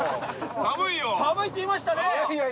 寒いって言いましたね！